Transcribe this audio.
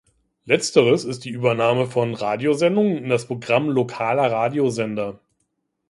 Letzteres ist die Übernahme von Radiosendungen in das Programm lokaler Radiosender.